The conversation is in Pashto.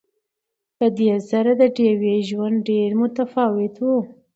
په دې سره د ډیوې ژوند ډېر متفاوت وو